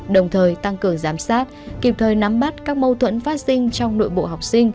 đồng thời tăng cường giám sát kịp thời nắm bắt các mâu thuẫn phát sinh trong nội bộ học sinh